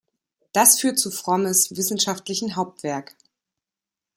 Das führt zu Frommes wissenschaftlichen Hauptwerk.